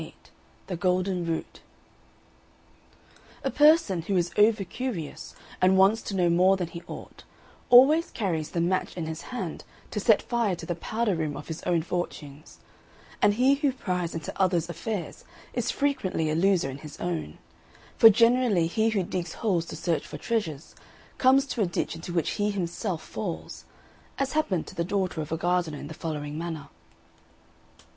XXVIII THE GOLDEN ROOT A person who is over curious, and wants to know more than he ought, always carries the match in his hand to set fire to the powder room of his own fortunes; and he who pries into others' affairs is frequently a loser in his own; for generally he who digs holes to search for treasures, comes to a ditch into which he himself falls as happened to the daughter of a gardener in the following manner.